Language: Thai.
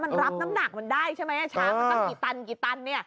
มันรับน้ำหนักมันได้ใช่ไหมช้างมันตั้งกี่ตันกี่ตันเนี่ย